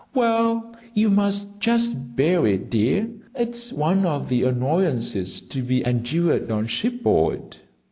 "Well, you must just bear it, dear; it's one of the annoyances to be endured on shipboard."